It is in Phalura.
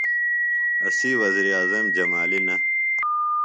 اسی وزیر اعظم جمالی نہ۔